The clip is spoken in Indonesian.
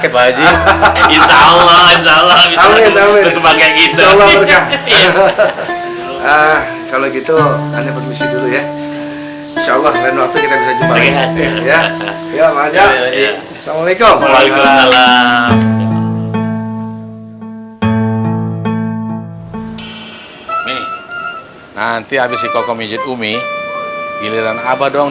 paku paku dicabutin dong